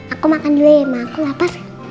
aku makan dulu ya emang aku laper